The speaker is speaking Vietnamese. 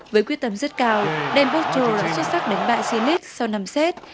với quyết tâm rất cao dan potro đã xuất sắc đánh bại selig sau năm set